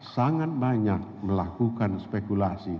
sangat banyak melakukan spekulasi